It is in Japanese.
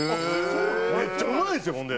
めっちゃうまいんですよほんで。